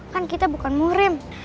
kan kita bukan murim